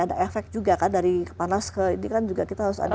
ada efek juga kan dari panas ke ini kan juga kita harus ada